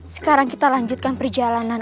sekarang kita lanjutkan perjalanan